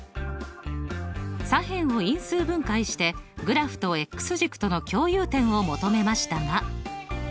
左辺を因数分解してグラフと軸との共有点を求めましたが。